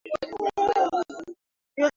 ya Kazakhs milioni moja na elfuthemanini